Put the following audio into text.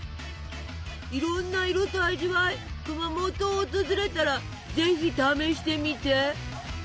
いろんな色と味わい熊本を訪れたらぜひ試してみて。